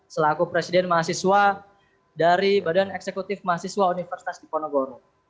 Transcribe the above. selaku presiden mahasiswa dari badan eksekutif mahasiswa universitas diponegoro